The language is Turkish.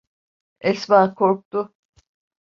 Esma korktu.